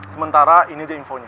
sementara ini aja infonya